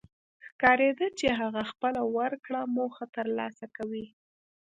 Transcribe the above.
ښکارېده چې هغه خپله ورکړه موخه تر لاسه کوي.